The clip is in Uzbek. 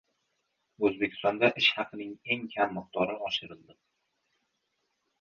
O‘zbekistonda ish haqining eng kam miqdori oshirildi